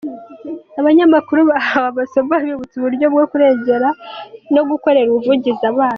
Abanyamakuru bahawe amasomo abibutsa uburyo bwo kurengera no gukorera ubuvugizi abana.